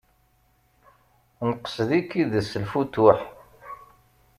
Nqesd-ik-id s lfutuḥ.